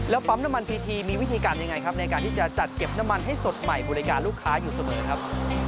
ปั๊มน้ำมันพีทีมีวิธีการยังไงครับในการที่จะจัดเก็บน้ำมันให้สดใหม่บริการลูกค้าอยู่เสมอครับ